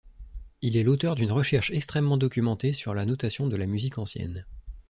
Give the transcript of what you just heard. Il est l'auteur d'une recherche extrêmement documentée sur la notation de la musique ancienne.